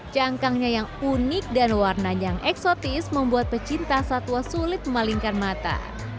cangkangnya yang unik dan warnanya yang eksotis membuat pecinta satwa sulit memalingkan mata